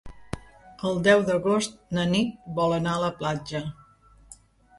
El deu d'agost na Nit vol anar a la platja.